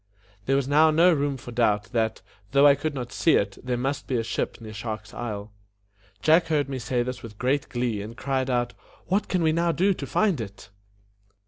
There was now no room for doubt that, though I could not see it, there must be a ship near Shark's Isle. Jack heard me say this with great glee, and cried out, "What can we now do to find it?"